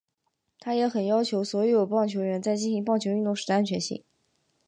他也很要求所有棒球员在进行棒球运动时的安全性。